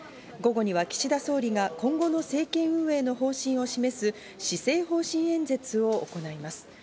午後には岸田総理が今後の政権運営の方針を示す施政方針演説を行います。